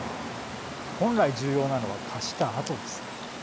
本来、重要なのは貸したあとです。